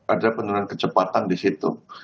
ada penurunan kecepatan disitu